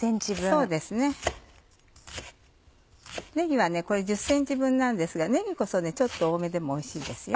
ねぎは１０ｃｍ分なんですがねぎこそちょっと多めでもおいしいですよ。